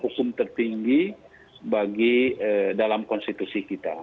hukum tertinggi bagi dalam konstitusi kita